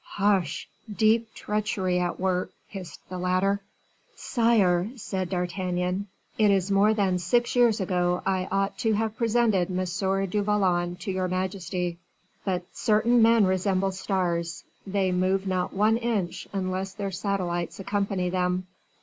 "Hush! deep treachery at work," hissed the latter. "Sire," said D'Artagnan, "it is more than six years ago I ought to have presented M. du Vallon to your majesty; but certain men resemble stars, they move not one inch unless their satellites accompany them.